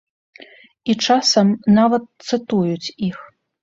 І часам нават цытуюць іх.